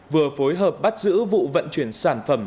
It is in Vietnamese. vừa phối hợp bắt giữ vụ vận chuyển sản phẩm